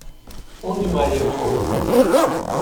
Onde Maria foi?